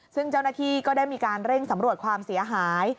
ซึ่งเจ้าหน้าที่ก็ได้มีการเร่งสำรวจความเสียหาย